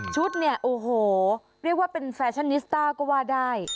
เนี่ยโอ้โหเรียกว่าเป็นแฟชั่นนิสต้าก็ว่าได้